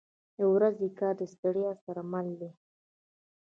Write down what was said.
• د ورځې کار د ستړیا سره مل دی.